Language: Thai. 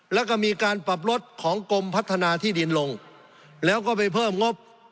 แล้วก็มีการปรับลดของกรมพัฒนาที่ดินลงแล้วก็ไปเพิ่มงบ